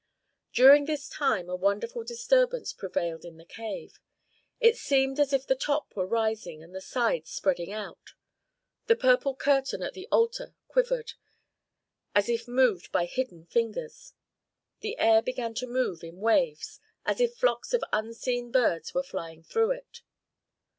During this time a wonderful disturbance prevailed in the cave. It seemed as if the top were rising and the sides spreading out. The purple curtain at the altar quivered, as if moved by hidden fingers. The air began to move in waves, as if flocks of unseen birds were flying through it.